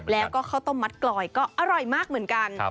แล้วก็ข้าวต้มมัดกลอยก็อร่อยมากเหมือนกัน